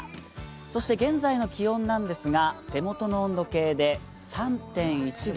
そして現在の気温なんですが手元の温度計で３．１度。